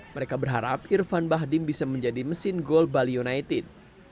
mereka berharap irfan bahdim bisa menjadi mesin gol bali united